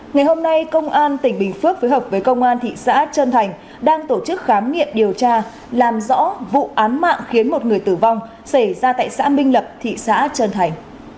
ngày hôm nay công an tỉnh bình phước phối hợp với công an thị xã trân thành đang tổ chức khám nghiệm điều tra làm rõ vụ án mạng khiến một người tử vong xảy ra tại xã minh lập thị xã trân thành